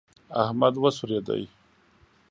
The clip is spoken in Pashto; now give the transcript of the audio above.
احمد وسورېدی.